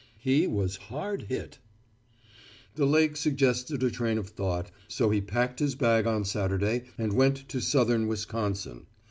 He was hard hit. The lake suggested a train of thought, so he packed his bag on Saturday and went to southern Wisconsin.